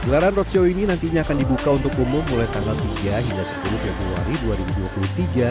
gelaran roadshow ini nantinya akan dibuka untuk umum mulai tanggal tiga hingga sepuluh februari dua ribu dua puluh tiga